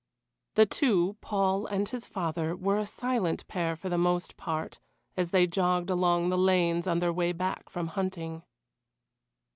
The two Paul and his father were a silent pair for the most part, as they jogged along the lanes on their way back from hunting.